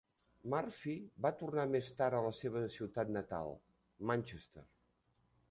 Murphy va tornar més tard a la seva ciutat natal, Manchester.